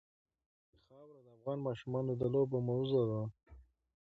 خاوره د افغان ماشومانو د لوبو موضوع ده.